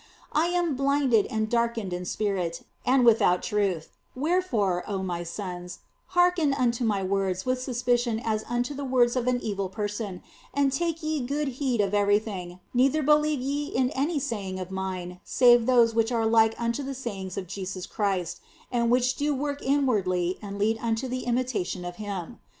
I am blinded and darkened in spirit and without truth ; wherefore, oh my sons, hearken unto my words with suspicion as unto the words of an evil person, and take ye good heed of everything, neither believe ye in any saying of mine save those which are like unto the sayings of Jesus Christ, and which do work inwardly and lead unto the imitation of Him.